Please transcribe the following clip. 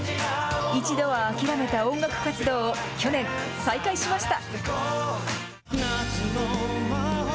一度は諦めた音楽活動を去年、再開しました。